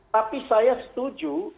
tapi saya setuju